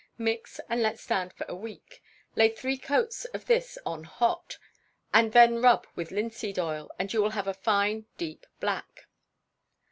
Mix, and let stand for a week. Lay three coats of this on hot, and then rub with linseed oil, and you will have a fine deep black.